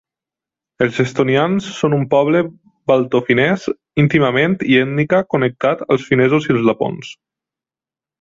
Els estonians són un poble baltofinès íntimament i ètnica connectat als finesos i als lapons.